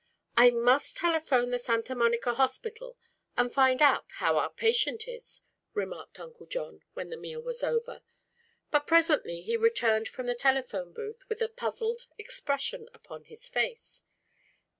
"I must telephone the Santa Monica hospital and find out how our patient is," remarked Uncle John, when the meal was over; but presently he returned from the telephone booth with a puzzled expression upon his face.